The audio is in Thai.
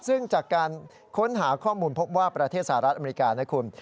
ซึ่งจากการค้นหาข้อมูลพบว่าประเทศสหรัฐอเมริกานะคุณ